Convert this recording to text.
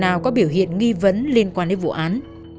nào có biểu hiện nghi vấn liên quan đến vụ án